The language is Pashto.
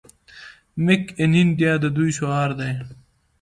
میک ان انډیا د دوی شعار دی.